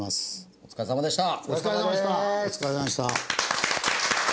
お疲れさまでした！